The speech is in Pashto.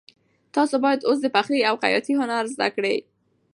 تاسو باید اوس د پخلي او خیاطۍ هنر زده کړئ.